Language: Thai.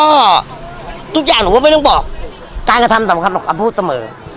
ก็ทุกอย่างหนูก็ไม่ต้องบอกการกระทำสำคัญของคำพูดเสมอ